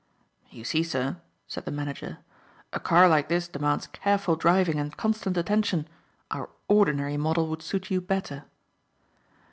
"You see, sir," said the manager, "a car like this demands careful driving and constant attention. Our ordinary model would suit you better."